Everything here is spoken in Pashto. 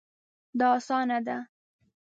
دا اسانه ده